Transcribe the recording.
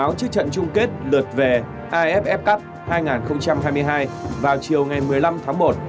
trong chiếc trận chung kết lượt về iff cup hai nghìn hai mươi hai vào chiều ngày một mươi năm tháng một